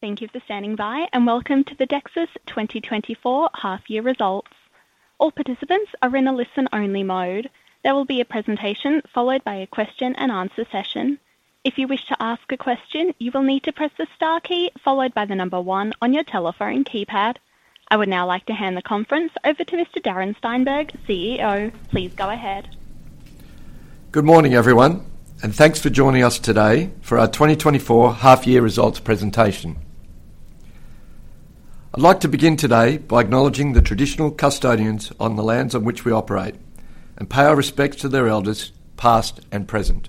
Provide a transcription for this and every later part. Thank you for standing by and welcome to the Dexus 2024 half-year results. All participants are in a listen-only mode. There will be a presentation followed by a question-and-answer session. If you wish to ask a question, you will need to press the star key followed by the number one on your telephone keypad. I would now like to hand the conference over to Mr. Darren Steinberg, CEO. Please go ahead. Good morning, everyone, and thanks for joining us today for our 2024 half-year results presentation. I'd like to begin today by acknowledging the traditional custodians on the lands on which we operate and pay our respects to their elders, past and present.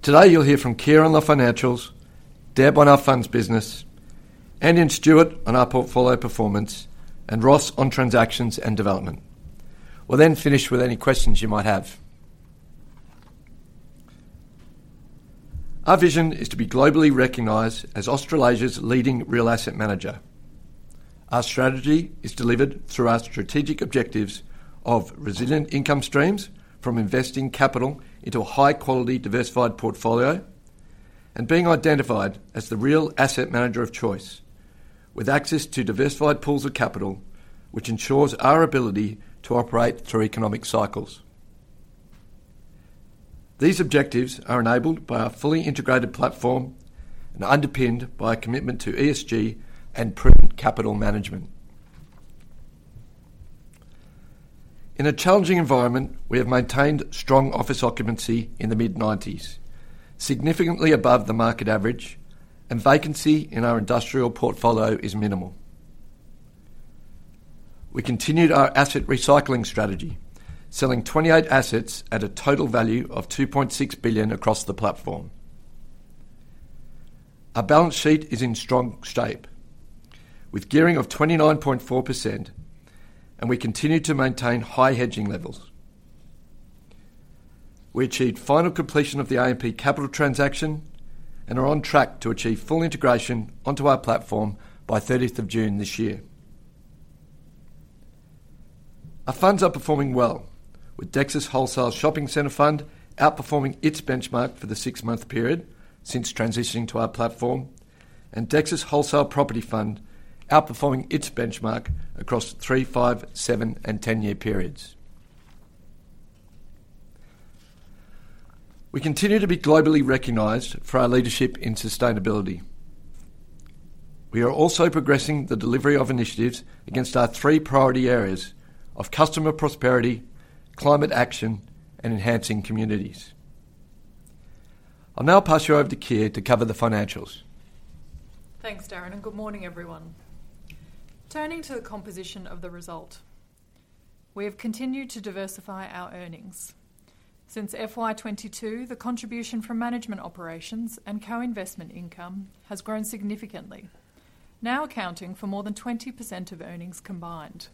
Today you'll hear from Keir on the financials, Deb on our funds business, Andy and Stewart on our portfolio performance, and Ross on transactions and development. We'll then finish with any questions you might have. Our vision is to be globally recognized as Australia's leading real asset manager. Our strategy is delivered through our strategic objectives of resilient income streams from investing capital into a high-quality diversified portfolio and being identified as the real asset manager of choice, with access to diversified pools of capital which ensures our ability to operate through economic cycles. These objectives are enabled by our fully integrated platform and underpinned by a commitment to ESG and prudent capital management. In a challenging environment, we have maintained strong office occupancy in the mid-90s, significantly above the market average, and vacancy in our industrial portfolio is minimal. We continued our asset recycling strategy, selling 28 assets at a total value of 2.6 billion across the platform. Our balance sheet is in strong shape, with gearing of 29.4%, and we continue to maintain high hedging levels. We achieved final completion of the AMP Capital transaction and are on track to achieve full integration onto our platform by 30 June this year. Our funds are performing well, with Dexus Wholesale Shopping Centre Fund outperforming its benchmark for the six-month period since transitioning to our platform, and Dexus Wholesale Property Fund outperforming its benchmark across the three, five, seven, and 10-year periods. We continue to be globally recognized for our leadership in sustainability. We are also progressing the delivery of initiatives against our three priority areas of customer prosperity, climate action, and enhancing communities. I'll now pass you over to Keir to cover the financials. Thanks, Darren, and good morning, everyone. Turning to the composition of the result: we have continued to diversify our earnings. Since FY22, the contribution from management operations and co-investment income has grown significantly, now accounting for more than 20% of earnings combined,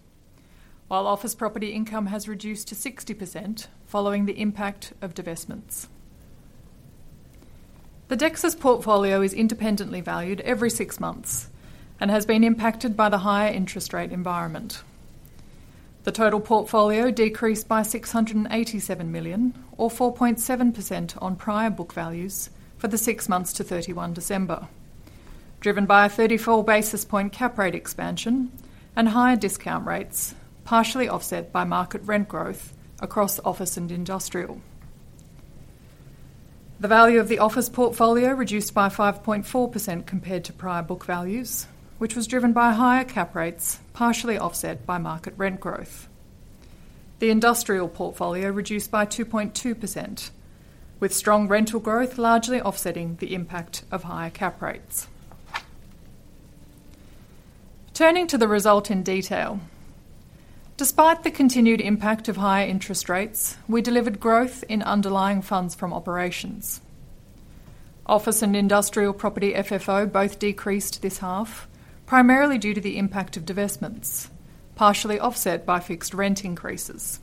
while office property income has reduced to 60% following the impact of divestments. The Dexus portfolio is independently valued every six months and has been impacted by the higher interest rate environment. The total portfolio decreased by 687 million, or 4.7% on prior book values, for the six months to 31 December, driven by a 34 basis point cap rate expansion and higher discount rates, partially offset by market rent growth across office and industrial. The value of the office portfolio reduced by 5.4% compared to prior book values, which was driven by higher cap rates partially offset by market rent growth. The industrial portfolio reduced by 2.2%, with strong rental growth largely offsetting the impact of higher cap rates. Turning to the result in detail: despite the continued impact of higher interest rates, we delivered growth in underlying funds from operations. Office and industrial property FFO both decreased this half, primarily due to the impact of divestments, partially offset by fixed rent increases.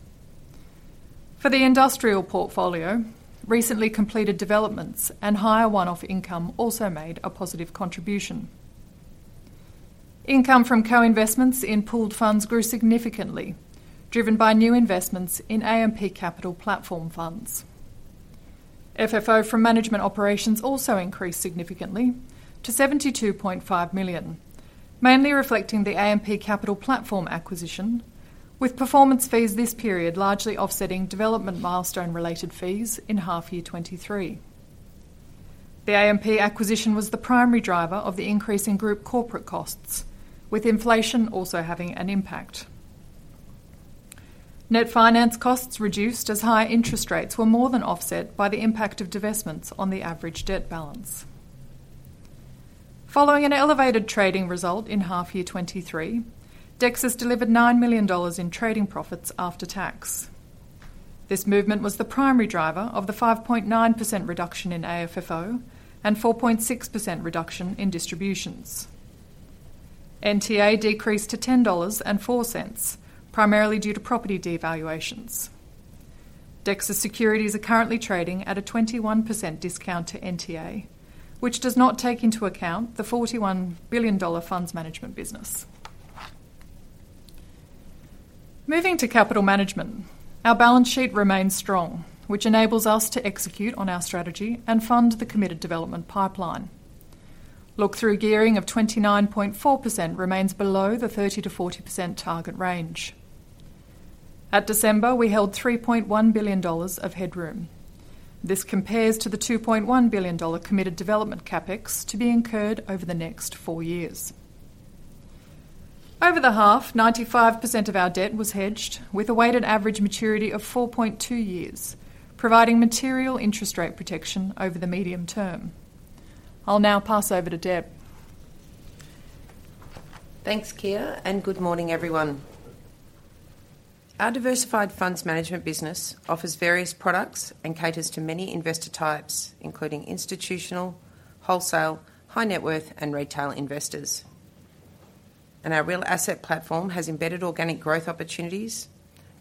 For the industrial portfolio, recently completed developments and higher one-off income also made a positive contribution. Income from co-investments in pooled funds grew significantly, driven by new investments in AMP Capital platform funds. FFO from management operations also increased significantly to 72.5 million, mainly reflecting the AMP Capital platform acquisition, with performance fees this period largely offsetting development milestone-related fees in half-year 2023. The AMP acquisition was the primary driver of the increase in group corporate costs, with inflation also having an impact. Net finance costs reduced as higher interest rates were more than offset by the impact of divestments on the average debt balance. Following an elevated trading result in half-year 2023, Dexus delivered 9 million dollars in trading profits after tax. This movement was the primary driver of the 5.9% reduction in AFFO and 4.6% reduction in distributions. NTA decreased to 10.04 dollars, primarily due to property devaluations. Dexus securities are currently trading at a 21% discount to NTA, which does not take into account the 41 billion dollar funds management business. Moving to capital management, our balance sheet remains strong, which enables us to execute on our strategy and fund the committed development pipeline. Look-through gearing of 29.4% remains below the 30%-40% target range. At December, we held 3.1 billion dollars of headroom. This compares to the 2.1 billion dollar committed development CapEx to be incurred over the next four years. Over the half, 95% of our debt was hedged, with a weighted average maturity of 4.2 years, providing material interest rate protection over the medium term. I'll now pass over to Deb. Thanks, Keir, and good morning, everyone. Our diversified funds management business offers various products and caters to many investor types, including institutional, wholesale, high net worth, and retail investors. Our real asset platform has embedded organic growth opportunities,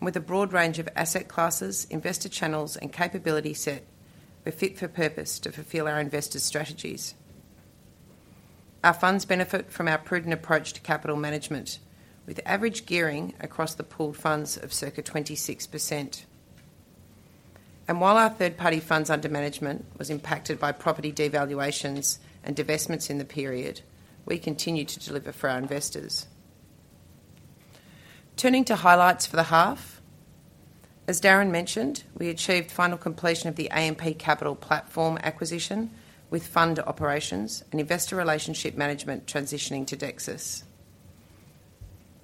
with a broad range of asset classes, investor channels, and capability set, fit for purpose to fulfill our investors' strategies. Our funds benefit from our prudent approach to capital management, with average gearing across the pooled funds of circa 26%. While our third-party funds under management was impacted by property devaluations and divestments in the period, we continue to deliver for our investors. Turning to highlights for the half: as Darren mentioned, we achieved final completion of the AMP Capital platform acquisition, with fund operations and investor relationship management transitioning to Dexus.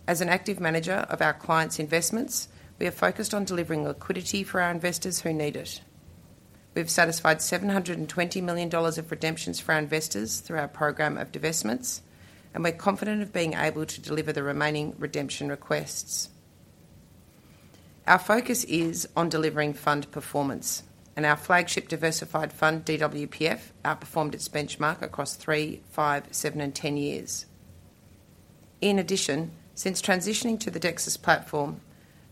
As an active manager of our clients' investments, we are focused on delivering liquidity for our investors who need it. We've satisfied 720 million dollars of redemptions for our investors through our program of divestments, and we're confident of being able to deliver the remaining redemption requests. Our focus is on delivering fund performance, and our flagship diversified fund, DWPF, outperformed its benchmark across 3, 5, 7, and 10 years. In addition, since transitioning to the Dexus platform,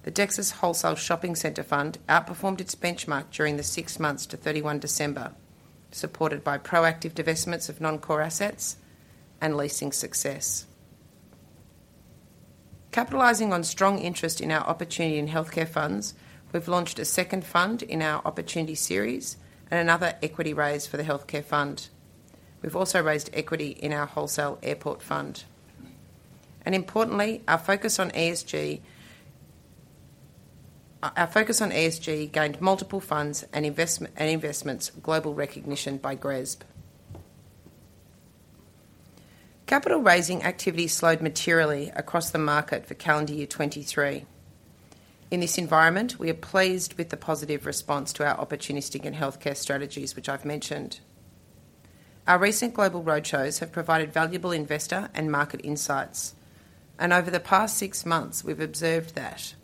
the Dexus Wholesale Shopping Centre Fund outperformed its benchmark during the six months to 31 December, supported by proactive divestments of non-core assets and leasing success. Capitalizing on strong interest in our opportunity in healthcare funds, we've launched a second fund in our opportunity series and another equity raise for the healthcare fund. We've also raised equity in our wholesale airport fund. Importantly, our focus on ESG gained multiple funds and investments global recognition by GRESB. Capital raising activity slowed materially across the market for calendar year 2023. In this environment, we are pleased with the positive response to our opportunistic and healthcare strategies, which I've mentioned. Our recent global roadshows have provided valuable investor and market insights, and over the past six months, we've observed that: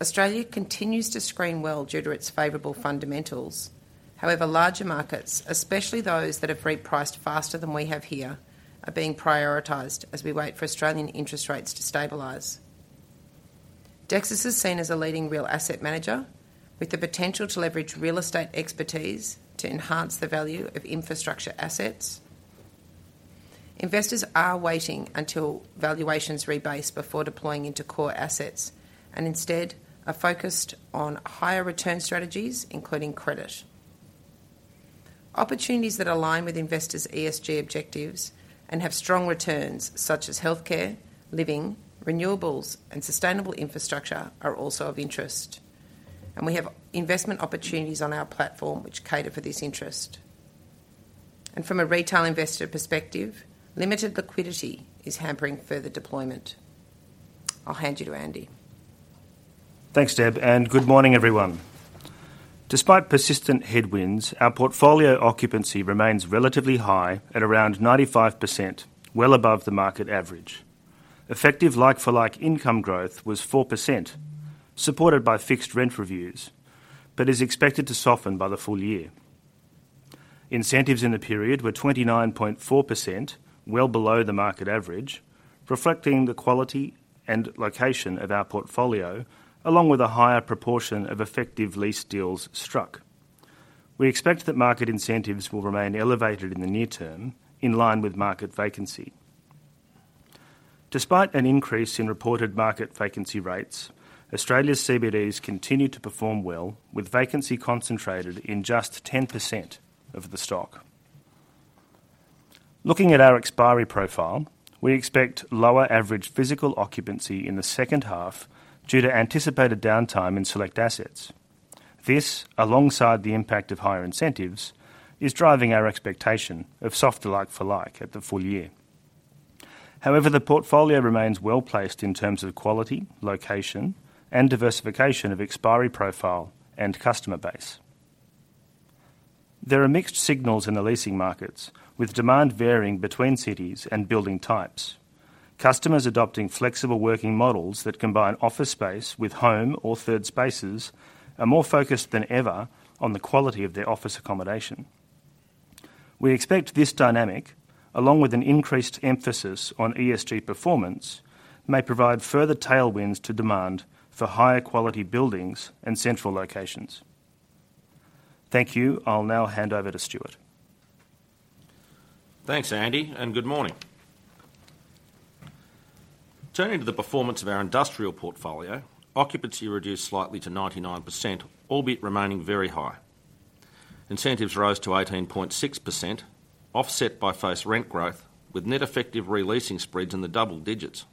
Australia continues to screen well due to its favorable fundamentals. However, larger markets, especially those that have repriced faster than we have here, are being prioritised as we wait for Australian interest rates to stabilise. Dexus is seen as a leading real asset manager, with the potential to leverage real estate expertise to enhance the value of infrastructure assets. Investors are waiting until valuations rebase before deploying into core assets and instead are focused on higher return strategies, including credit. Opportunities that align with investors' ESG objectives and have strong returns, such as healthcare, living, renewables, and sustainable infrastructure, are also of interest, and we have investment opportunities on our platform which cater for this interest. From a retail investor perspective, limited liquidity is hampering further deployment. I'll hand you to Andy. Thanks, Deb, and good morning, everyone. Despite persistent headwinds, our portfolio occupancy remains relatively high at around 95%, well above the market average. Effective like-for-like income growth was 4%, supported by fixed rent reviews, but is expected to soften by the full year. Incentives in the period were 29.4%, well below the market average, reflecting the quality and location of our portfolio, along with a higher proportion of effective lease deals struck. We expect that market incentives will remain elevated in the near term, in line with market vacancy. Despite an increase in reported market vacancy rates, Australia's CBDs continue to perform well, with vacancy concentrated in just 10% of the stock. Looking at our expiry profile, we expect lower average physical occupancy in the second half due to anticipated downtime in select assets. This, alongside the impact of higher incentives, is driving our expectation of softer like-for-like at the full year. However, the portfolio remains well placed in terms of quality, location, and diversification of expiry profile and customer base. There are mixed signals in the leasing markets, with demand varying between cities and building types. Customers adopting flexible working models that combine office space with home or third spaces are more focused than ever on the quality of their office accommodation. We expect this dynamic, along with an increased emphasis on ESG performance, may provide further tailwinds to demand for higher quality buildings and central locations. Thank you. I'll now hand over to Stewart. Thanks, Andy, and good morning. Turning to the performance of our industrial portfolio, occupancy reduced slightly to 99%, albeit remaining very high. Incentives rose to 18.6%, offset by face rent growth, with net effective releasing spreads in the double digits.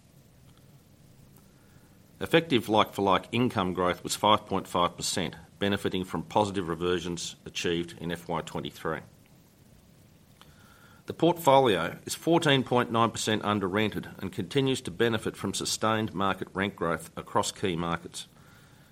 Effective like-for-like income growth was 5.5%, benefiting from positive reversions achieved in FY23. The portfolio is 14.9% under-rented and continues to benefit from sustained market rent growth across key markets,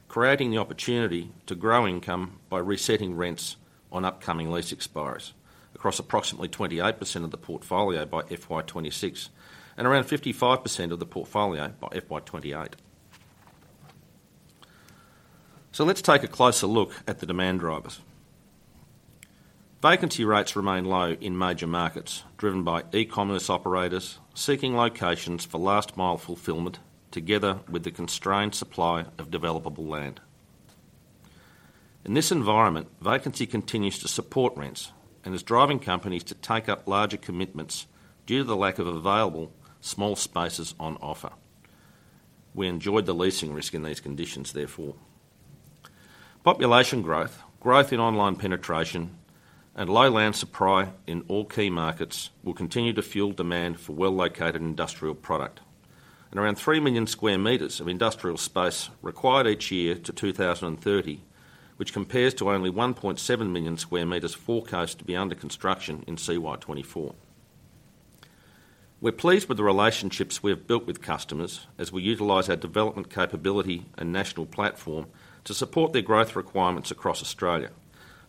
creating the opportunity to grow income by resetting rents on upcoming lease expires across approximately 28% of the portfolio by FY26 and around 55% of the portfolio by FY28. Let's take a closer look at the demand drivers. Vacancy rates remain low in major markets, driven by e-commerce operators seeking locations for last-mile fulfillment, together with the constrained supply of developable land. In this environment, vacancy continues to support rents and is driving companies to take up larger commitments due to the lack of available small spaces on offer. We enjoyed the leasing risk in these conditions, therefore. Population growth, growth in online penetration, and low land supply in all key markets will continue to fuel demand for well-located industrial product. Around 3 million square meters of industrial space are required each year to 2030, which compares to only 1.7 million square meters forecast to be under construction in CY24. We're pleased with the relationships we have built with customers as we utilize our development capability and national platform to support their growth requirements across Australia,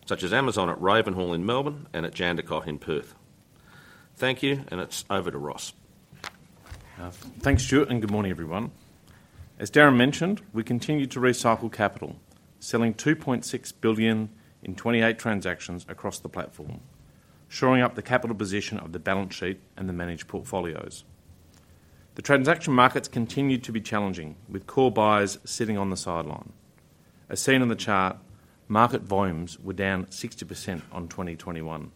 such as Amazon at Ravenhall in Melbourne and at Jandakot in Perth. Thank you, and it's over to Ross. Thanks, Stuart, and good morning, everyone. As Darren mentioned, we continue to recycle capital, selling 2.6 billion in 28 transactions across the platform, shoring up the capital position of the balance sheet and the managed portfolios. The transaction markets continue to be challenging, with core buys sitting on the sideline. As seen on the chart, market volumes were down 60% on 2021.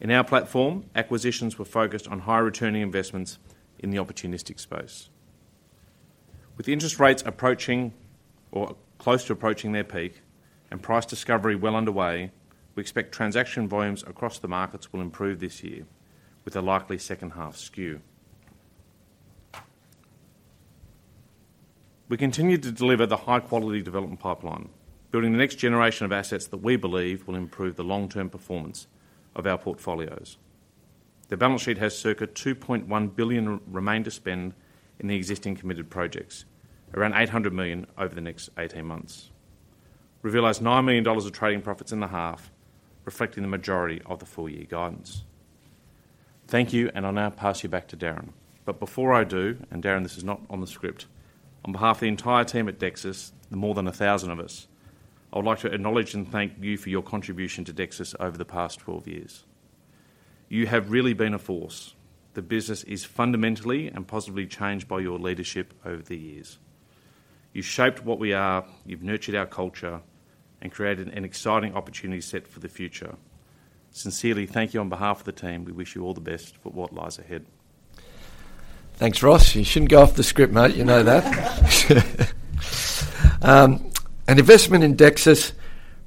In our platform, acquisitions were focused on high-returning investments in the opportunistic space. With interest rates close to approaching their peak and price discovery well underway, we expect transaction volumes across the markets will improve this year, with a likely second-half skew. We continue to deliver the high-quality development pipeline, building the next generation of assets that we believe will improve the long-term performance of our portfolios. The balance sheet has circa 2.1 billion remaining to spend in the existing committed projects, around 800 million over the next 18 months. We realized 9 million dollars of trading profits in the half, reflecting the majority of the full-year guidance. Thank you, and I'll now pass you back to Darren. But before I do - and Darren, this is not on the script - on behalf of the entire team at Dexus, the more than 1,000 of us, I would like to acknowledge and thank you for your contribution to Dexus over the past 12 years. You have really been a force. The business is fundamentally and positively changed by your leadership over the years. You've shaped what we are, you've nurtured our culture, and created an exciting opportunity set for the future. Sincerely, thank you on behalf of the team. We wish you all the best for what lies ahead. Thanks, Ross. You shouldn't go off the script, mate. You know that. Investment in Dexus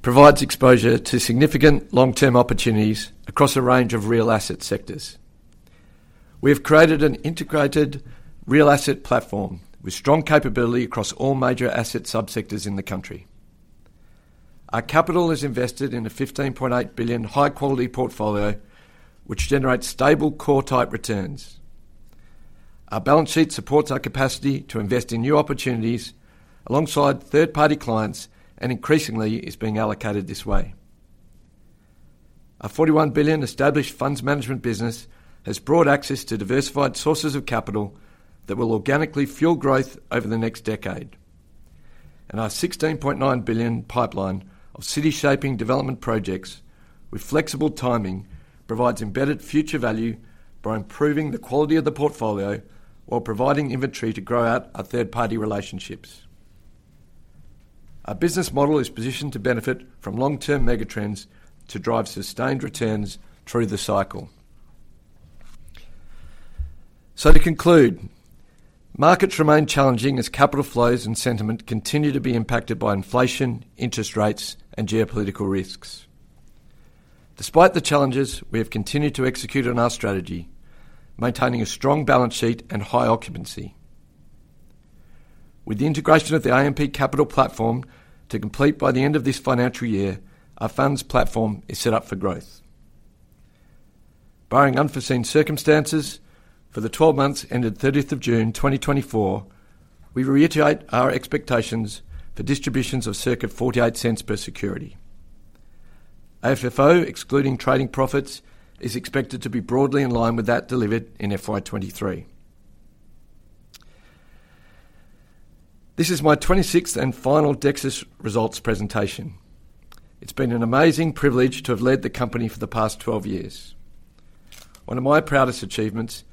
provides exposure to significant long-term opportunities across a range of real asset sectors. We have created an integrated real asset platform with strong capability across all major asset subsectors in the country. Our capital is invested in a 15.8 billion high-quality portfolio, which generates stable core-type returns. Our balance sheet supports our capacity to invest in new opportunities alongside third-party clients and increasingly is being allocated this way. Our 41 billion established funds management business has broad access to diversified sources of capital that will organically fuel growth over the next decade. Our 16.9 billion pipeline of city-shaping development projects with flexible timing provides embedded future value by improving the quality of the portfolio while providing inventory to grow out our third-party relationships. Our business model is positioned to benefit from long-term megatrends to drive sustained returns through the cycle. To conclude, markets remain challenging as capital flows and sentiment continue to be impacted by inflation, interest rates, and geopolitical risks. Despite the challenges, we have continued to execute on our strategy, maintaining a strong balance sheet and high occupancy. With the integration of the AMP Capital platform to complete by the end of this financial year, our funds platform is set up for growth. Barring unforeseen circumstances, for the 12 months ended 30 June 2024, we reiterate our expectations for distributions of circa 0.48 per security. AFFO, excluding trading profits, is expected to be broadly in line with that delivered in FY23. This is my 26th and final Dexus results presentation. It's been an amazing privilege to have led the company for the past 12 years. One of my proudest achievements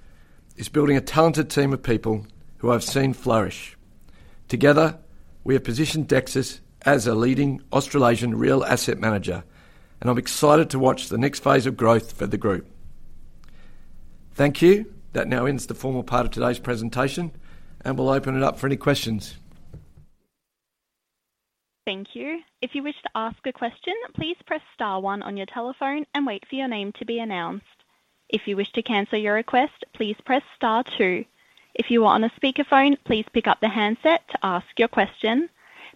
is building a talented team of people who I've seen flourish. Together, we have positioned Dexus as a leading Australasian real asset manager, and I'm excited to watch the next phase of growth for the group. Thank you. That now ends the formal part of today's presentation, and we'll open it up for any questions. Thank you. If you wish to ask a question, please press star one on your telephone and wait for your name to be announced. If you wish to cancel your request, please press star two. If you are on a speakerphone, please pick up the handset to ask your question.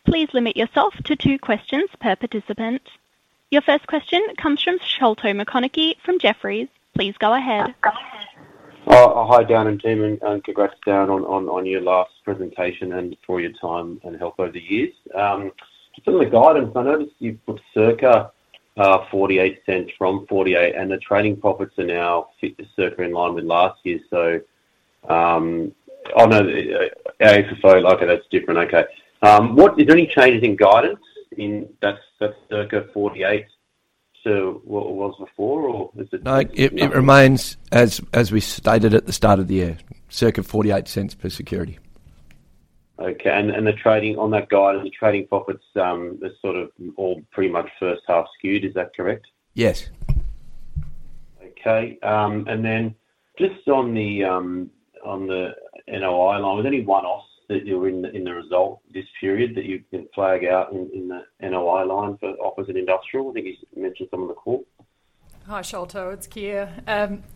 Please limit yourself to two questions per participant. Your first question comes from Sholto Maconochie from Jefferies. Please go ahead. Hi, Darren and team. Congrats, Darren, on your last presentation and for your time and help over the years. Some of the guidance, I noticed you put circa 0.48 cents from 48, and the trading profits are now circa in line with last year. I know AFFO, that's different. Okay. Is there any changes in guidance that's circa 48 to what it was before, or is it? It remains, as we stated at the start of the year, circa 0.0048 per security. Okay. And on that guidance, the trading profits are sort of all pretty much first-half skewed. Is that correct? Yes. Okay. And then just on the NOI line, was there any one-offs that you were in the result this period that you can flag out in the NOI line for office and industrial? I think you mentioned some on the call. Hi, Sholto. It's Keir.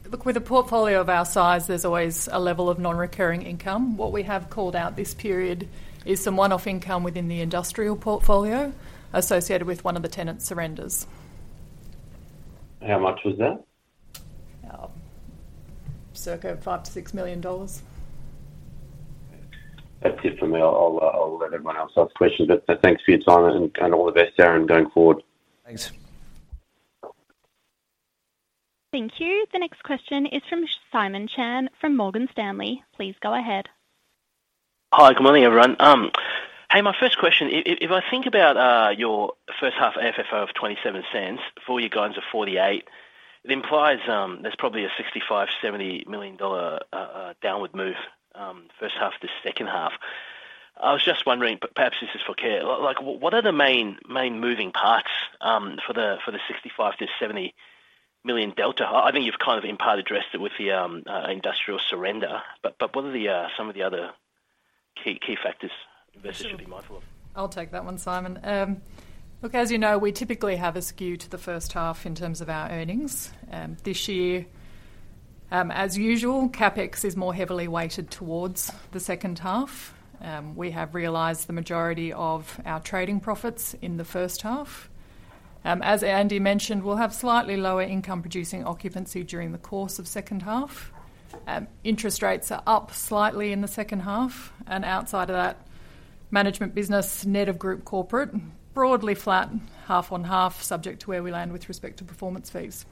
Look, with a portfolio of our size, there's always a level of non-recurring income. What we have called out this period is some one-off income within the industrial portfolio associated with one of the tenant surrenders. How much was that? Circa 5 million-6 million dollars. That's it from me. I'll let everyone else ask questions. But thanks for your time and all the best, Darren, going forward. Thanks. Thank you. The next question is from Simon Chan from Morgan Stanley. Please go ahead. Hi. Good morning, everyone. Hey, my first question, if I think about your first-half AFFO of 0.27 for your guidance of 0.48, it implies there's probably a 65 million-70 million dollar downward move first-half to second-half. I was just wondering, but perhaps this is for Keir, what are the main moving parts for the 65 million-70 million delta? I think you've kind of in part addressed it with the industrial surrender, but what are some of the other key factors investors should be mindful of? I'll take that one, Simon. Look, as you know, we typically have a skew to the first-half in terms of our earnings. This year, as usual, CapEx is more heavily weighted towards the second-half. We have realised the majority of our trading profits in the first-half. As Andy mentioned, we'll have slightly lower income-producing occupancy during the course of second-half. Interest rates are up slightly in the second-half. And outside of that, management business net of group corporate broadly flat, half on half, subject to where we land with respect to performance fees.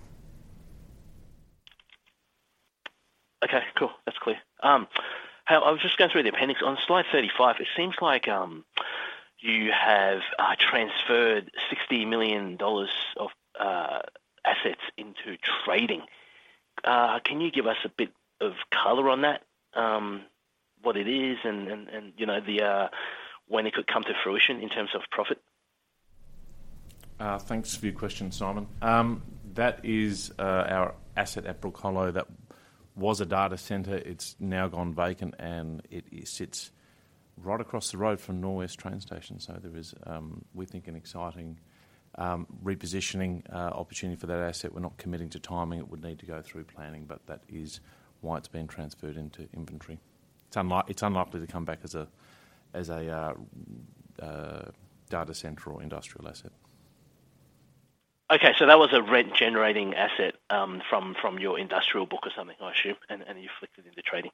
Okay. Cool. That's clear. Hey, I was just going through the appendix. On slide 35, it seems like you have transferred 60 million dollars of assets into trading. Can you give us a bit of color on that, what it is, and when it could come to fruition in terms of profit? Thanks for your question, Simon. That is our asset at Bella Vista. That was a data center. It's now gone vacant, and it sits right across the road from Norwest Train Station. So there is, we think, an exciting repositioning opportunity for that asset. We're not committing to timing. It would need to go through planning, but that is why it's been transferred into inventory. It's unlikely to come back as a data center or industrial asset. Okay. So that was a rent-generating asset from your industrial book or something, I assume, and you flipped it into trading?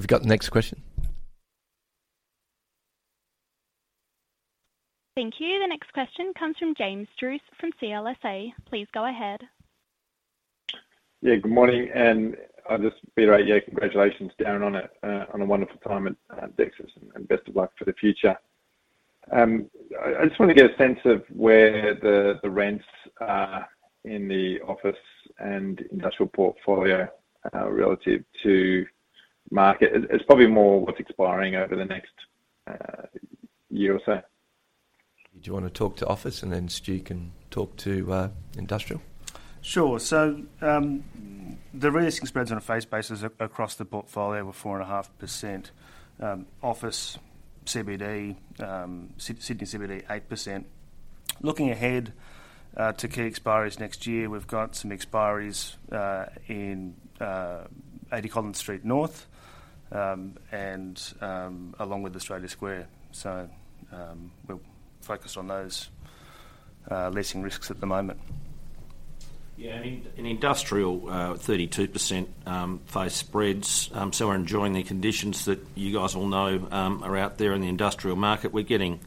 Yes. Have you got the next question? Thank you. The next question comes from James Druce from CLSA. Please go ahead. Yeah. Good morning. I'll just beat around the bush. Yeah, congratulations, Darren, on a wonderful time at Dexus, and best of luck for the future. I just want to get a sense of where the rents are in the office and industrial portfolio relative to market. It's probably more what's expiring over the next year or so. Do you want to talk to office, and then Stu can talk to industrial? Sure. So the real estate spreads on a face basis across the portfolio were 4.5%, office CBD, Sydney CBD 8%. Looking ahead to key expiries next year, we've got some expiries in 80 Collins Street and along with Australia Square. So we're focused on those leasing risks at the moment. Yeah. And industrial, 32% face spreads. Some are enjoying the conditions that you guys all know are out there in the industrial market. We're getting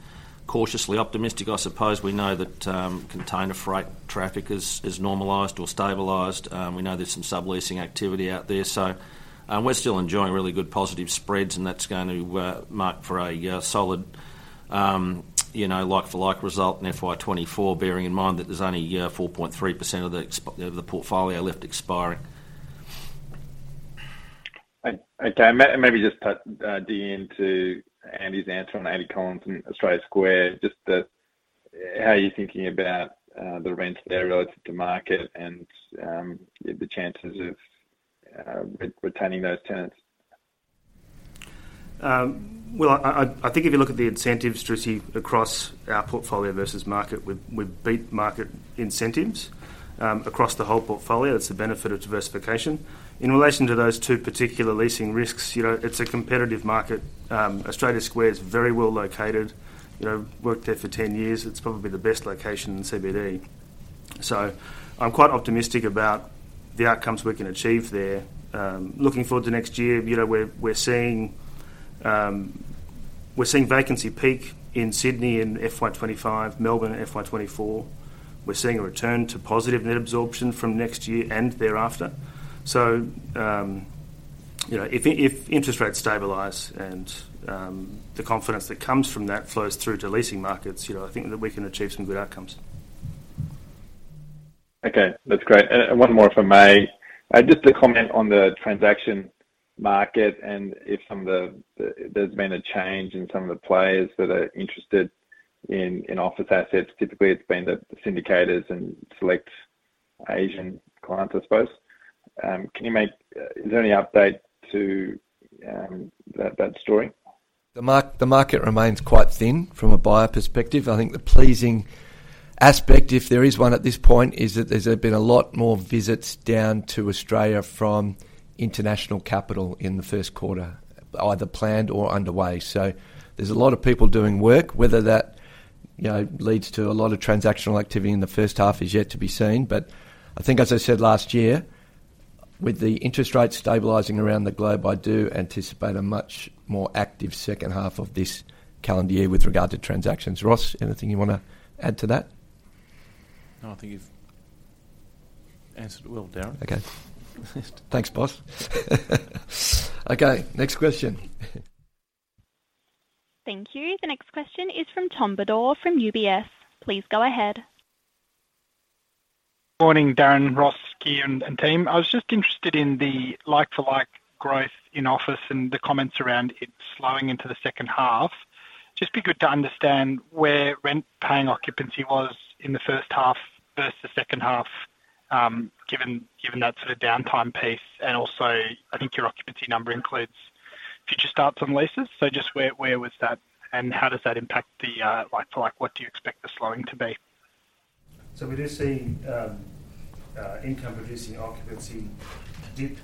cautiously optimistic, I suppose. We know that container freight traffic has normalised or stabilised. We know there's some subleasing activity out there. So we're still enjoying really good positive spreads, and that's going to mark for a solid like-for-like result in FY2024, bearing in mind that there's only 4.3% of the portfolio left expiring. Okay. Maybe just to dig into Andy's answer on 80 Collins and Australia Square, just how are you thinking about the rents there relative to market and the chances of retaining those tenants? Well, I think if you look at the incentives, James, across our portfolio versus market, we've beat market incentives across the whole portfolio. That's the benefit of diversification. In relation to those two particular leasing risks, it's a competitive market. Australia Square is very well located. Worked there for 10 years. It's probably the best location in CBD. So I'm quite optimistic about the outcomes we can achieve there. Looking forward to next year, we're seeing vacancy peak in Sydney in FY 2025, Melbourne in FY 2024. We're seeing a return to positive net absorption from next year and thereafter. So if interest rates stabilise and the confidence that comes from that flows through to leasing markets, I think that we can achieve some good outcomes. Okay. That's great. And one more if I may. Just a comment on the transaction market and if there's been a change in some of the players that are interested in office assets. Typically, it's been the syndicators and select Asian clients, I suppose. Is there any update to that story? The market remains quite thin from a buyer perspective. I think the pleasing aspect, if there is one at this point, is that there's been a lot more visits down to Australia from international capital in the first quarter, either planned or underway. So there's a lot of people doing work. Whether that leads to a lot of transactional activity in the first half is yet to be seen. But I think, as I said last year, with the interest rates stabilizing around the globe, I do anticipate a much more active second half of this calendar year with regard to transactions. Ross, anything you want to add to that? No, I think you've answered it well, Darren. Okay. Thanks, boss. Okay. Next question. Thank you. The next question is from Tom Bodor from UBS. Please go ahead. Good morning, Darren, Ross, Keir, and team. I was just interested in the like-for-like growth in office and the comments around it slowing into the second-half. Just be good to understand where rent-paying occupancy was in the first-half versus the second-half, given that sort of downtime piece. And also, I think your occupancy number includes future starts on leases. So just where was that, and how does that impact the like-for-like? What do you expect the slowing to be? So we do see income-producing occupancy dip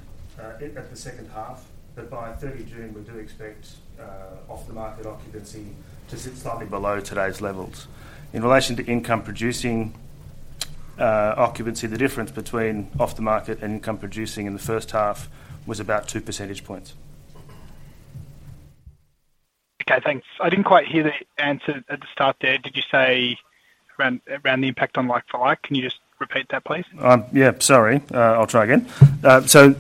in the second half. But by 30 June, we do expect on-market occupancy to sit slightly below today's levels. In relation to income-producing occupancy, the difference between on-market and income-producing in the first half was about 2 percentage points. Okay. Thanks. I didn't quite hear the answer at the start there. Did you say around the impact on like-for-like? Can you just repeat that, please? Yeah. Sorry. I'll try again. So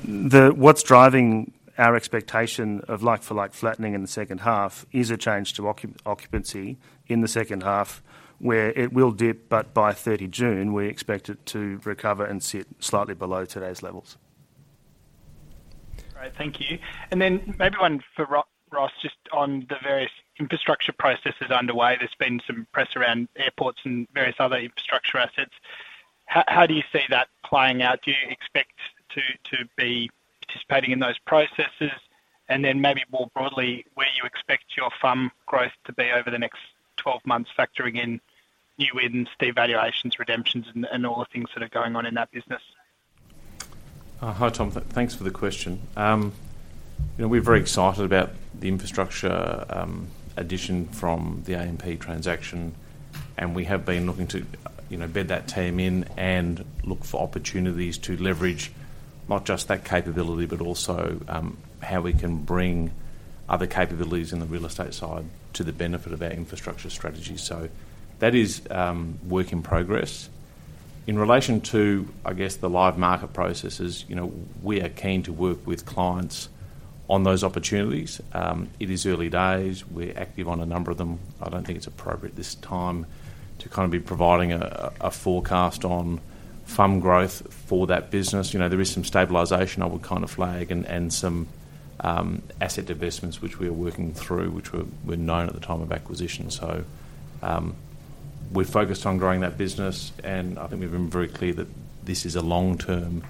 what's driving our expectation of like-for-like flattening in the second-half is a change to occupancy in the second-half where it will dip, but by 30 June, we expect it to recover and sit slightly below today's levels. Great. Thank you. And then maybe one, Ross, just on the various infrastructure processes underway. There's been some press around airports and various other infrastructure assets. How do you see that playing out? Do you expect to be participating in those processes? And then maybe more broadly, where you expect your FUM growth to be over the next 12 months, factoring in new wins, devaluations, redemptions, and all the things that are going on in that business? Hi, Tom. Thanks for the question. We're very excited about the infrastructure addition from the AMP transaction, and we have been looking to bed that team in and look for opportunities to leverage not just that capability, but also how we can bring other capabilities in the real estate side to the benefit of our infrastructure strategy. So that is work in progress. In relation to, I guess, the live market processes, we are keen to work with clients on those opportunities. It is early days. We're active on a number of them. I don't think it's appropriate this time to kind of be providing a forecast on FUM growth for that business. There is some stabilisation, I would kind of flag, and some asset investments which we are working through, which were known at the time of acquisition. We're focused on growing that business, and I think we've been very clear that this is a long-term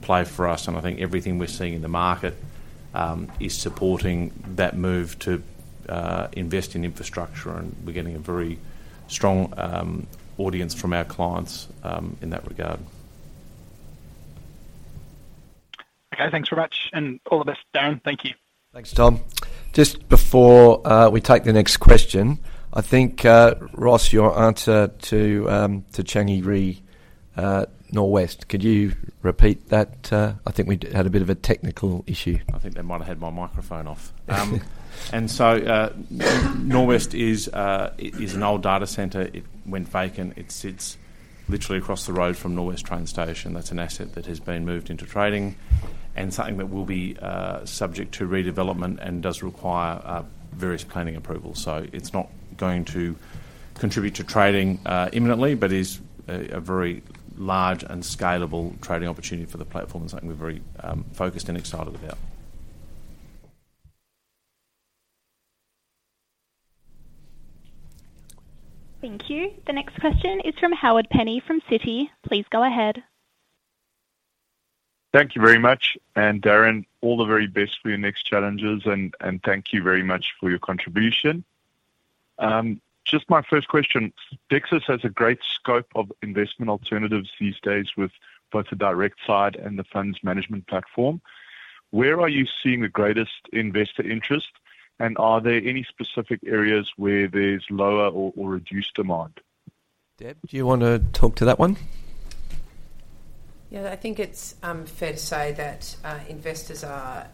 play for us. I think everything we're seeing in the market is supporting that move to invest in infrastructure, and we're getting a very strong audience from our clients in that regard. Okay. Thanks very much. And all the best, Darren. Thank you. Thanks, Tom. Just before we take the next question, I think, Ross, your answer to Norwest, could you repeat that? I think we had a bit of a technical issue. I think they might have had my microphone off. So Norwest is an old data center. It went vacant. It sits literally across the road from Norwest Train Station. That's an asset that has been moved into trading and something that will be subject to redevelopment and does require various planning approvals. So it's not going to contribute to trading imminently, but is a very large and scalable trading opportunity for the platform and something we're very focused and excited about. Thank you. The next question is from Howard Penny from Citi. Please go ahead. Thank you very much. And Darren, all the very best for your next challenges, and thank you very much for your contribution. Just my first question. Dexus has a great scope of investment alternatives these days with both the direct side and the funds management platform. Where are you seeing the greatest investor interest, and are there any specific areas where there's lower or reduced demand? Deb, do you want to talk to that one? Yeah. I think it's fair to say that investors are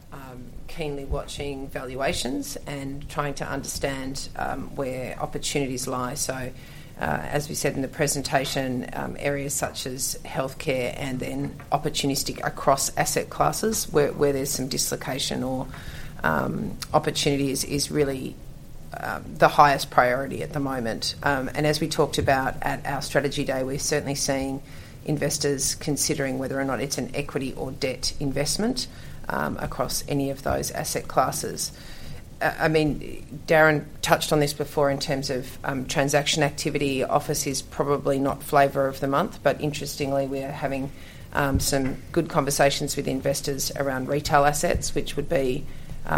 keenly watching valuations and trying to understand where opportunities lie. So as we said in the presentation, areas such as healthcare and then opportunistic across asset classes where there's some dislocation or opportunities is really the highest priority at the moment. And as we talked about at our strategy day, we're certainly seeing investors considering whether or not it's an equity or debt investment across any of those asset classes. I mean, Darren touched on this before in terms of transaction activity. Office is probably not flavor of the month, but interestingly, we are having some good conversations with investors around retail assets, which would be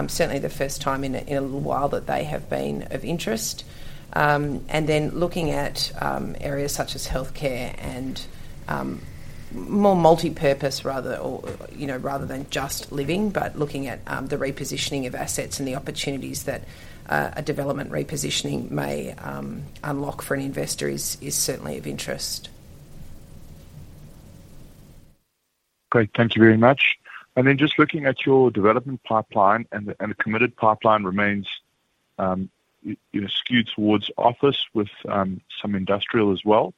certainly the first time in a little while that they have been of interest. And then looking at areas such as healthcare and more multipurpose rather than just living, but looking at the repositioning of assets and the opportunities that a development repositioning may unlock for an investor is certainly of interest. Great. Thank you very much. And then just looking at your development pipeline, and the committed pipeline remains skewed towards office with some industrial as well.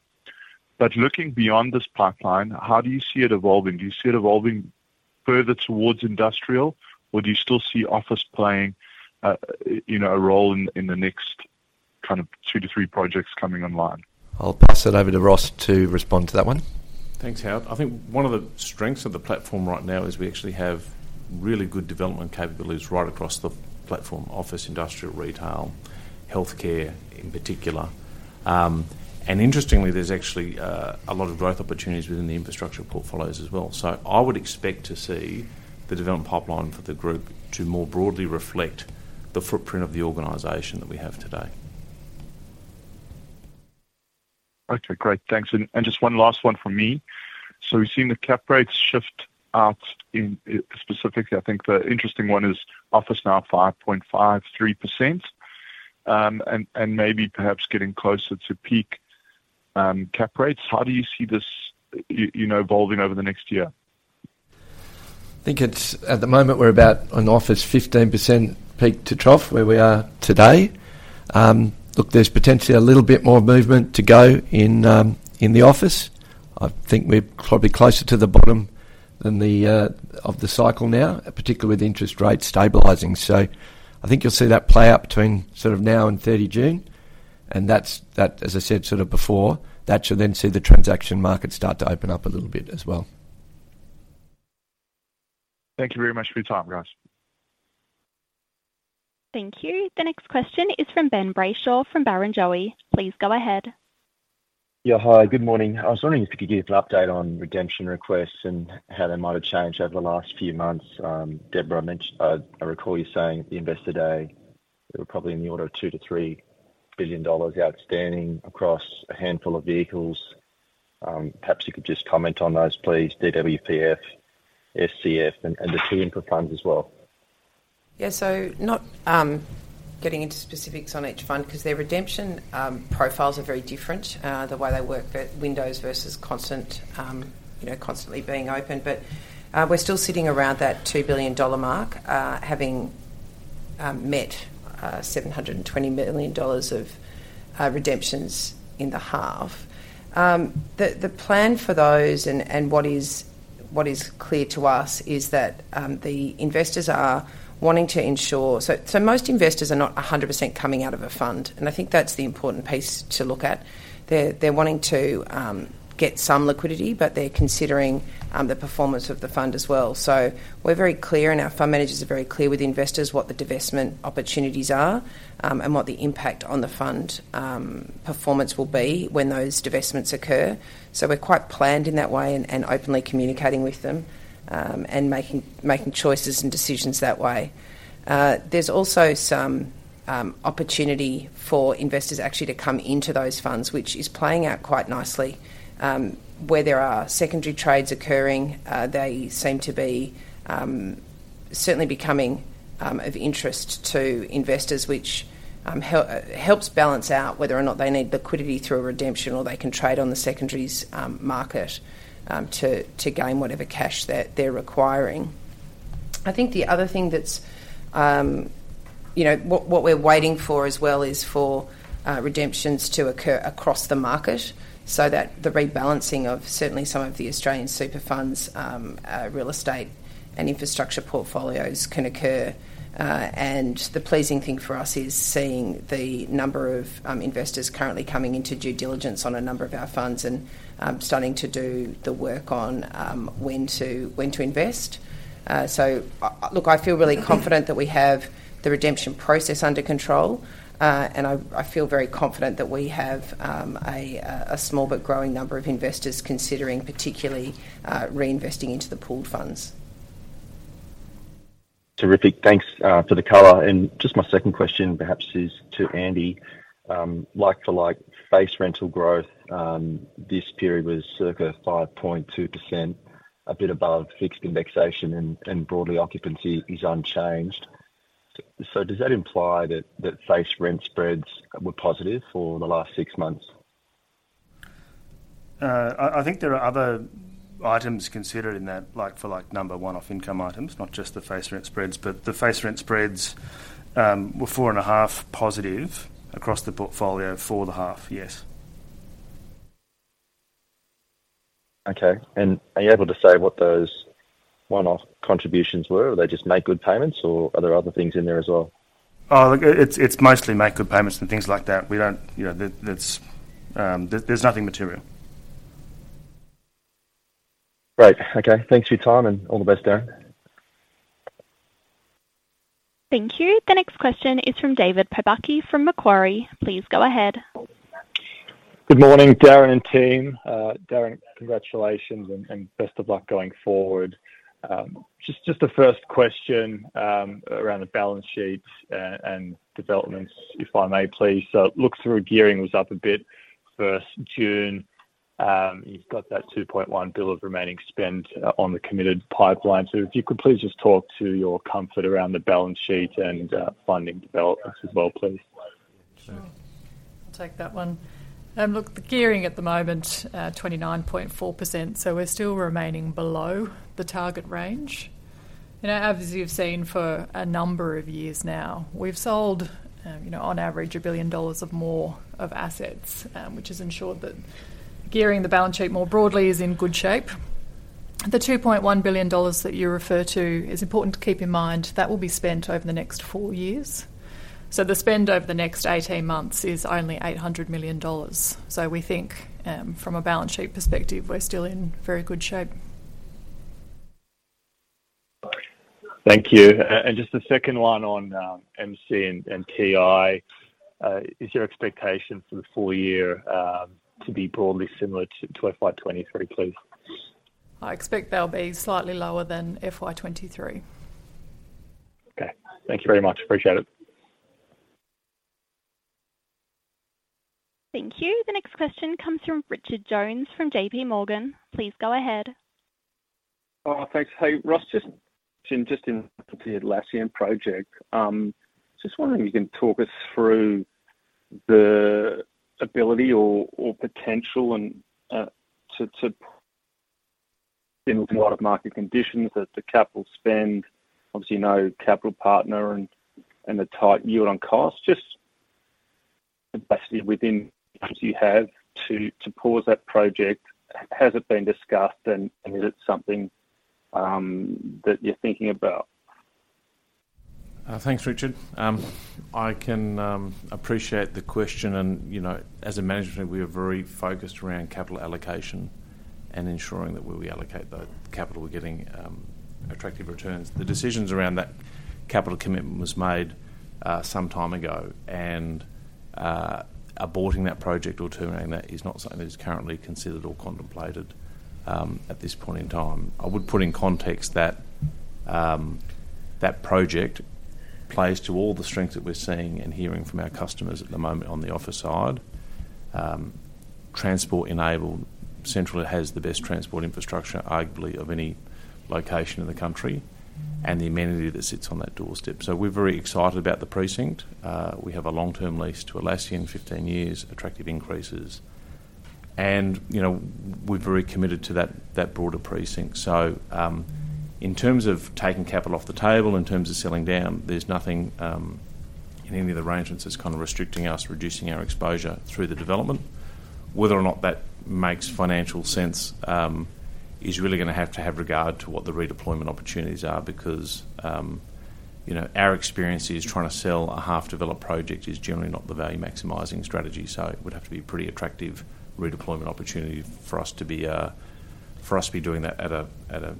But looking beyond this pipeline, how do you see it evolving? Do you see it evolving further towards industrial, or do you still see office playing a role in the next kind of two to three projects coming online? I'll pass it over to Ross to respond to that one. Thanks, Howard. I think one of the strengths of the platform right now is we actually have really good development capabilities right across the platform: office, industrial, retail, healthcare in particular. And interestingly, there's actually a lot of growth opportunities within the infrastructure portfolios as well. So I would expect to see the development pipeline for the group to more broadly reflect the footprint of the organization that we have today. Okay. Great. Thanks. And just one last one from me. So we've seen the cap rates shift out specifically. I think the interesting one is office now 5.53% and maybe perhaps getting closer to peak cap rates. How do you see this evolving over the next year? I think at the moment, we're about on office 15% peak to trough where we are today. Look, there's potentially a little bit more movement to go in the office. I think we're probably closer to the bottom of the cycle now, particularly with interest rates stabilizing. So I think you'll see that play out between sort of now and 30 June. And as I said sort of before, that should then see the transaction market start to open up a little bit as well. Thank you very much for your time, guys. Thank you. The next question is from Ben Brayshaw from Barrenjoey. Please go ahead. Yeah. Hi. Good morning. I was wondering if you could give an update on redemption requests and how they might have changed over the last few months. Deborah, I recall you saying the investor day, there were probably in the order of 2 billion-3 billion dollars outstanding across a handful of vehicles. Perhaps you could just comment on those, please: DWPF, SCF, and the two infra funds as well. Yeah. So not getting into specifics on each fund because their redemption profiles are very different, the way they work at windows versus constantly being open. But we're still sitting around that 2 billion dollar mark, having met 720 million dollars of redemptions in the half. The plan for those and what is clear to us is that the investors are wanting to ensure so most investors are not 100% coming out of a fund, and I think that's the important piece to look at. They're wanting to get some liquidity, but they're considering the performance of the fund as well. So we're very clear, and our fund managers are very clear with investors what the divestment opportunities are and what the impact on the fund performance will be when those divestments occur. So we're quite planned in that way and openly communicating with them and making choices and decisions that way. There's also some opportunity for investors actually to come into those funds, which is playing out quite nicely. Where there are secondary trades occurring, they seem to be certainly becoming of interest to investors, which helps balance out whether or not they need liquidity through a redemption or they can trade on the secondaries market to gain whatever cash they're requiring. I think the other thing that's what we're waiting for as well is for redemptions to occur across the market so that the rebalancing of certainly some of the Australian super funds, real estate, and infrastructure portfolios can occur. The pleasing thing for us is seeing the number of investors currently coming into due diligence on a number of our funds and starting to do the work on when to invest. So look, I feel really confident that we have the redemption process under control, and I feel very confident that we have a small but growing number of investors considering particularly reinvesting into the pooled funds. Terrific. Thanks for the color. Just my second question perhaps is to Andy. Like-for-like face rental growth, this period was circa 5.2%, a bit above fixed indexation, and broadly, occupancy is unchanged. Does that imply that face rent spreads were positive for the last six months? I think there are other items considered in that for number one-off income items, not just the face rent spreads. The face rent spreads were 4.5% positive across the portfolio. 4.5%, yes. Okay. Are you able to say what those one-off contributions were? Did they just make good payments, or are there other things in there as well? Oh, look, it's mostly make good payments and things like that. There's nothing material. Great. Okay. Thanks for your time, and all the best, Darren. Thank you. The next question is from David Pobucky from Macquarie. Please go ahead. Good morning, Darren and team. Darren, congratulations, and best of luck going forward. Just a first question around the balance sheet and developments, if I may, please. Look-through gearing was up a bit 1st June. You've got that 2.1 billion of remaining spend on the committed pipeline. If you could please just talk to your comfort around the balance sheet and funding developments as well, please. Sure. I'll take that one. Look, the gearing at the moment, 29.4%, so we're still remaining below the target range. As you've seen for a number of years now, we've sold, on average, 1 billion dollars or more of assets, which has ensured that gearing the balance sheet more broadly is in good shape. The 2.1 billion dollars that you refer to is important to keep in mind. That will be spent over the next four years. So the spend over the next 18 months is only 800 million dollars. So we think, from a balance sheet perspective, we're still in very good shape. Thank you. Just the second one on MC and TI, is your expectation for the full year to be broadly similar to FY2023, please? I expect they'll be slightly lower than FY23. Okay. Thank you very much. Appreciate it. Thank you. The next question comes from Richard Jones from JP Morgan. Please go ahead. Oh, thanks. Hey, Ross, just in relation to your last year in project, just wondering if you can talk us through the ability or potential to, in a lot of market conditions, the capital spend, obviously, no capital partner, and a tight yield on cost, just capacity within you have to pause that project. Has it been discussed, and is it something that you're thinking about? Thanks, Richard. I can appreciate the question. As a management team, we are very focused around capital allocation and ensuring that where we allocate that capital, we're getting attractive returns. The decisions around that capital commitment was made some time ago, and aborting that project or terminating that is not something that is currently considered or contemplated at this point in time. I would put in context that that project plays to all the strengths that we're seeing and hearing from our customers at the moment on the office side. Central has the best transport infrastructure, arguably, of any location in the country and the amenity that sits on that doorstep. So we're very excited about the precinct, which has a long-term lease to Atlassian in 15 years, attractive increases. We're very committed to that broader precinct. So in terms of taking capital off the table, in terms of selling down, there's nothing in any of the arrangements that's kind of restricting us, reducing our exposure through the development. Whether or not that makes financial sense is really going to have to have regard to what the redeployment opportunities are because our experience is trying to sell a half-developed project is generally not the value-maximizing strategy. So it would have to be a pretty attractive redeployment opportunity for us to be for us to be doing that at a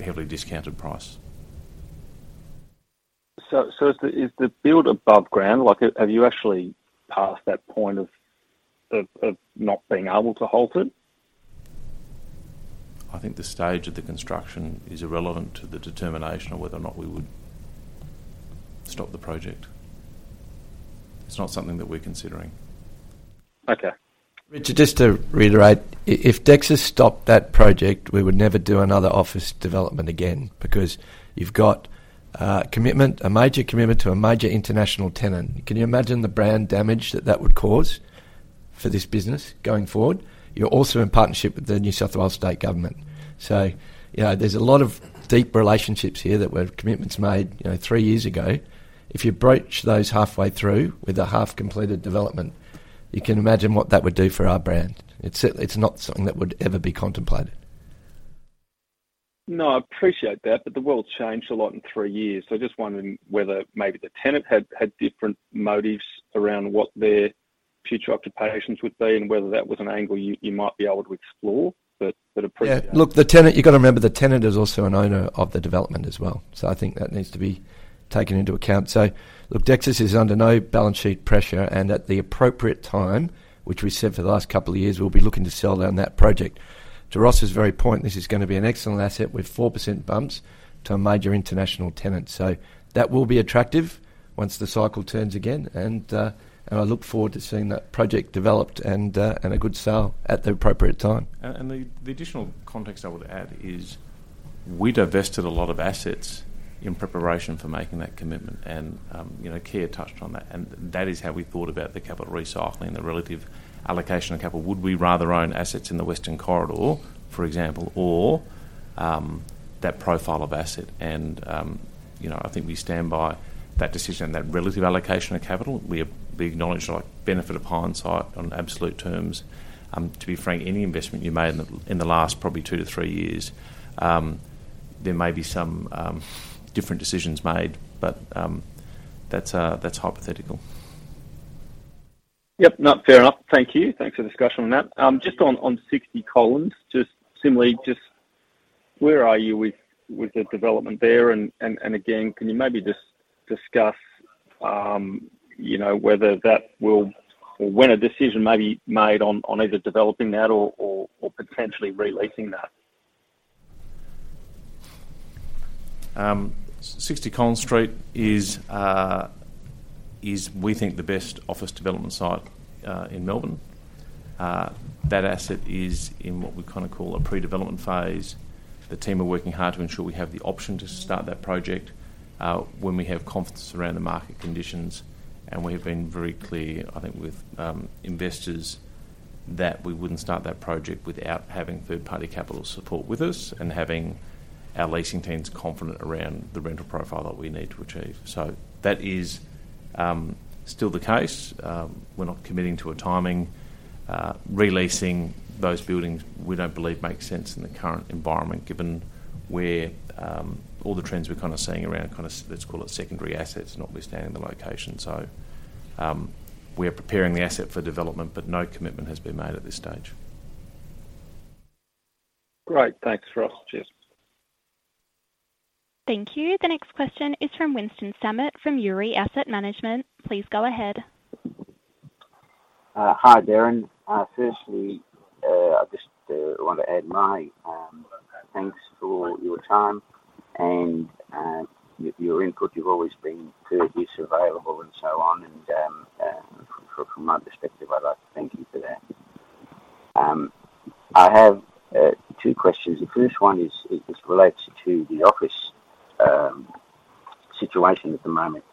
heavily discounted price. Is the build above ground? Have you actually passed that point of not being able to halt it? I think the stage of the construction is irrelevant to the determination of whether or not we would stop the project. It's not something that we're considering. Okay. Richard, just to reiterate, if Dexus stopped that project, we would never do another office development again because you've got a major commitment to a major international tenant. Can you imagine the brand damage that that would cause for this business going forward? You're also in partnership with the New South Wales State Government. So there's a lot of deep relationships here that were commitments made three years ago. If you broach those halfway through with a half-completed development, you can imagine what that would do for our brand. It's not something that would ever be contemplated. No, I appreciate that, but the world changed a lot in three years. So I just wondering whether maybe the tenant had different motives around what their future occupations would be and whether that was an angle you might be able to explore. But appreciate that. Yeah. Look, you've got to remember the tenant is also an owner of the development as well. So I think that needs to be taken into account. So look, Dexus is under no balance sheet pressure, and at the appropriate time, which we've said for the last couple of years, we'll be looking to sell down that project. To Ross's very point, this is going to be an excellent asset with 4% bumps to a major international tenant. So that will be attractive once the cycle turns again. And I look forward to seeing that project developed and a good sale at the appropriate time. The additional context I would add is we divested a lot of assets in preparation for making that commitment. Keir touched on that. That is how we thought about the capital recycling and the relative allocation of capital. Would we rather own assets in the Western Corridor, for example, or that profile of asset? I think we stand by that decision and that relative allocation of capital. We acknowledge benefit of hindsight on absolute terms. To be frank, any investment you made in the last probably 2-3 years, there may be some different decisions made, but that's hypothetical. Yep. Fair enough. Thank you. Thanks for the discussion on that. Just on 60 Collins, similarly, where are you with the development there? And again, can you maybe just discuss whether that will or when a decision may be made on either developing that or potentially releasing that? 60 Collins Street is, we think, the best office development site in Melbourne. That asset is in what we kind of call a pre-development phase. The team are working hard to ensure we have the option to start that project when we have confidence around the market conditions. We have been very clear, I think, with investors that we wouldn't start that project without having third-party capital support with us and having our leasing teams confident around the rental profile that we need to achieve. That is still the case. We're not committing to a timing. Releasing those buildings, we don't believe, makes sense in the current environment given all the trends we're kind of seeing around kind of, let's call it, secondary assets, notwithstanding the location. We are preparing the asset for development, but no commitment has been made at this stage. Great. Thanks, Ross. Cheers. Thank you. The next question is from Winston Sammut from Yarra Capital Management. Please go ahead. Hi, Darren. Firstly, I just want to add my thanks for your time and your input. You've always been courteous, available, and so on. From my perspective, I'd like to thank you for that. I have two questions. The first one relates to the office situation at the moment.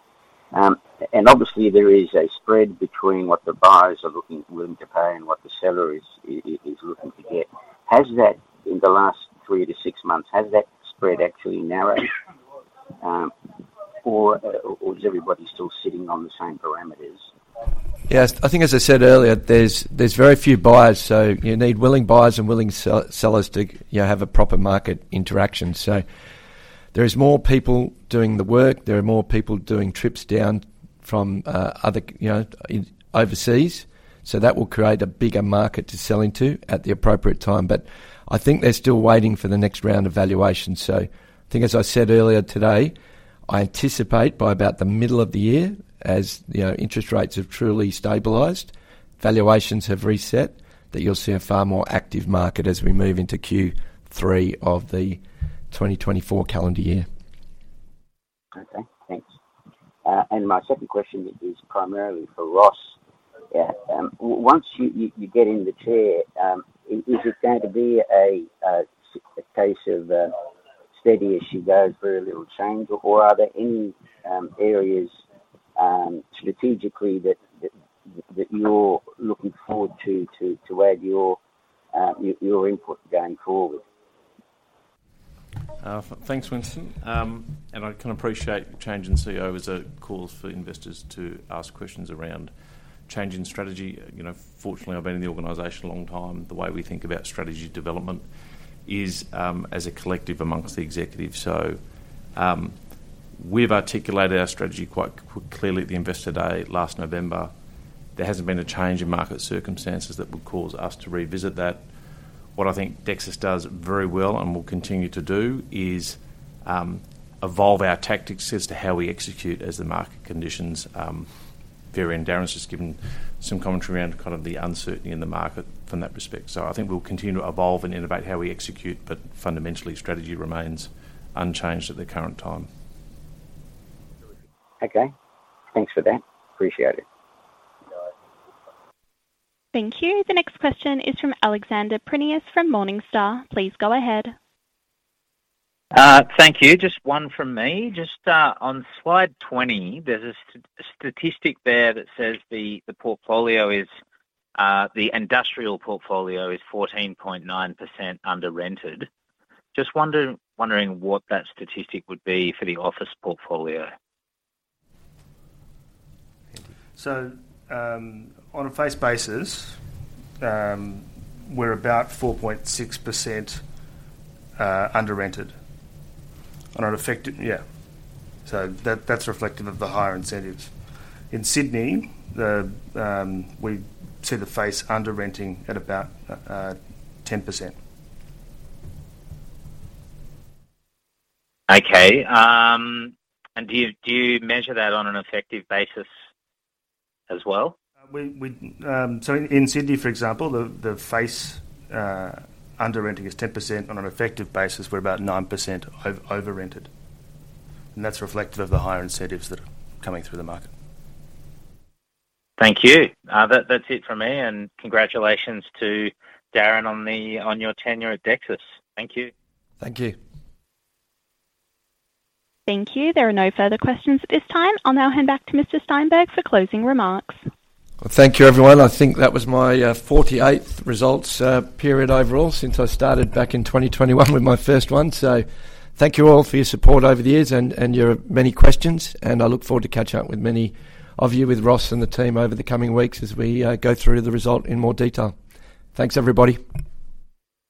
Obviously, there is a spread between what the buyers are willing to pay and what the seller is looking to get. In the last 3-6 months, has that spread actually narrowed, or is everybody still sitting on the same parameters? Yeah. I think, as I said earlier, there's very few buyers. So you need willing buyers and willing sellers to have a proper market interaction. So there is more people doing the work. There are more people doing trips down from overseas. So that will create a bigger market to sell into at the appropriate time. But I think they're still waiting for the next round of valuation. So I think, as I said earlier today, I anticipate by about the middle of the year, as interest rates have truly stabilised, valuations have reset, that you'll see a far more active market as we move into Q3 of the 2024 calendar year. Okay. Thanks. My second question is primarily for Ross. Once you get in the chair, is it going to be a case of steady as she goes, very little change, or are there any areas strategically that you're looking forward to where your input going forward? Thanks, Winston. And I can appreciate change in CEO as a cause for investors to ask questions around change in strategy. Fortunately, I've been in the organization a long time. The way we think about strategy development is as a collective amongst the executives. So we've articulated our strategy quite clearly at the investor day last November. There hasn't been a change in market circumstances that would cause us to revisit that. What I think Dexus does very well and will continue to do is evolve our tactics as to how we execute as the market conditions vary. And Darren's just given some commentary around kind of the uncertainty in the market from that respect. So I think we'll continue to evolve and innovate how we execute, but fundamentally, strategy remains unchanged at the current time. Okay. Thanks for that. Appreciate it. Thank you. The next question is from Alexander Prineas from Morningstar. Please go ahead. Thank you. Just one from me. Just on slide 20, there's a statistic there that says the industrial portfolio is 14.9% under-rented. Just wondering what that statistic would be for the office portfolio? On a face basis, we're about 4.6% under-rented. Yeah. That's reflective of the higher incentives. In Sydney, we see the face under-renting at about 10%. Okay. And do you measure that on an effective basis as well? In Sydney, for example, the face under-renting is 10%. On an effective basis, we're about 9% over-rented. That's reflective of the higher incentives that are coming through the market. Thank you. That's it from me. And congratulations to Darren on your tenure at Dexus. Thank you. Thank you. Thank you. There are no further questions at this time. I'll now hand back to Mr. Steinberg for closing remarks. Well, thank you, everyone. I think that was my 48th results period overall since I started back in 2021 with my first one. Thank you all for your support over the years and your many questions. I look forward to catching up with many of you, with Ross and the team, over the coming weeks as we go through the result in more detail. Thanks, everybody.